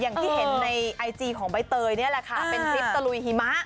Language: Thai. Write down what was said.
อย่างที่เห็นในไอจีของใบเตยนี่แหละค่ะเป็นคลิปตะลุยหิมะ